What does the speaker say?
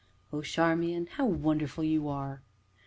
'" "Oh, Charmian! how wonderful you are!"